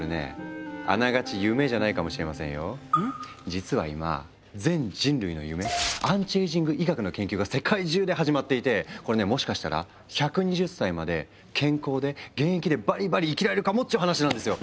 実は今全人類の夢アンチエイジング医学の研究が世界中で始まっていてこれねもしかしたら１２０歳まで健康で現役でバリバリ生きられるかもっていう話なんですよ。